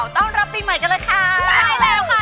ต้องรับปีใหม่